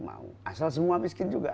mau asal semua miskin juga